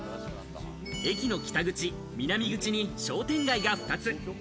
駅の北口、南口に商店街が２つ。